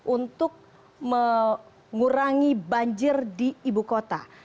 untuk mengurangi banjir di ibu kota